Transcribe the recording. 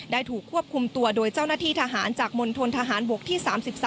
ถูกควบคุมตัวโดยเจ้าหน้าที่ทหารจากมณฑนทหารบกที่๓๓